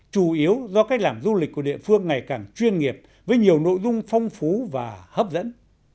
chủ yếu do cách làm du lịch của địa phương ngày càng chuyên nghiệp với nhiều nội dung phong phú và hấp dẫn